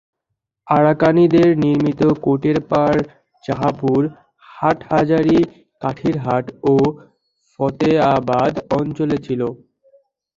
আরাকানিদের নির্মিত কোটেরপাড় জাঁহাপুর, হাটহাজারী, কাঠিরহাট ও ফতেয়াবাদ অঞ্চলে ছিল।